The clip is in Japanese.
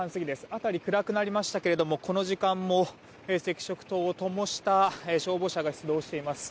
辺り暗くなりましたがこの時間も赤色灯をともした消防車が出動しています。